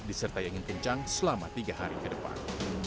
diserta yang ingin kencang selama tiga hari ke depan